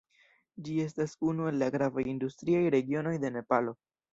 Ĝi estas unu el la gravaj industriaj regionoj de Nepalo.